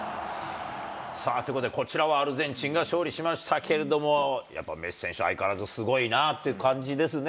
さあ、ということでこちらはアルゼンチンが勝利しましたけれども、やっぱりメッシ選手、相変わらずすごいなって感じですね。